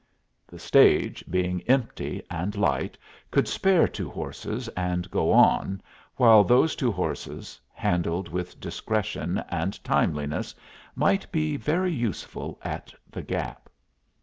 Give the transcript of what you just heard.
The stage, being empty and light, could spare two horses and go on, while those two horses, handled with discretion and timeliness, might be very useful at the Gap.